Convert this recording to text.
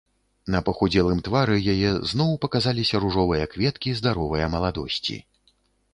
На пахудзелым твары яе зноў паказаліся ружовыя кветкі здаровае маладосці.